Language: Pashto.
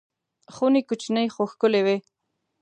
خونې کوچنۍ خو ښکلې وې.